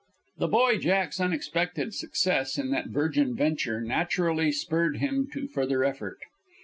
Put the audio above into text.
The boy Jack's unexpected success in that virgin venture naturally spurred him to further effort.